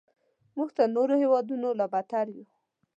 موږ تر نورو هیوادونو لا بدتر یو.